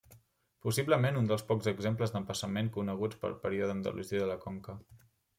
Possiblement, un dels pocs exemples d'emplaçament coneguts del període andalusí de la Conca.